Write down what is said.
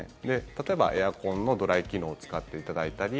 例えばエアコンのドライ機能を使っていただいたり